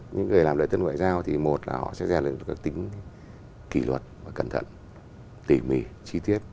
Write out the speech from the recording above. những người làm lễ dân ngoại giao thì một là họ sẽ ra được các tính kỷ luật và cẩn thận tỉ mỉ chi tiết